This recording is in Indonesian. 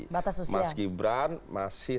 batas usia mas gibran masih